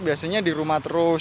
biasanya di rumah terus